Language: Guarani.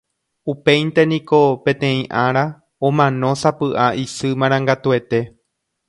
Upéinte niko, peteĩ ára, omanósapy'a isy marangatuete.